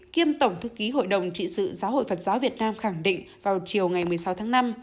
kiêm tổng thư ký hội đồng trị sự giáo hội phật giáo việt nam khẳng định vào chiều ngày một mươi sáu tháng năm